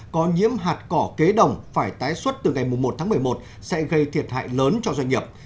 có nhiễm hạt cỏ kế đồng phải tái xuất từ ngày một tháng một mươi một sẽ gây thiệt hại lớn cho doanh nghiệp